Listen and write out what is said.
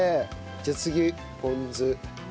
じゃあ次ポン酢。